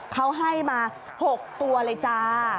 เขาให้มา๖ตัวเลยจ้า